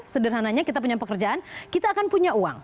sederhananya kita punya pekerjaan kita akan punya uang